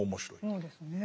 そうですね。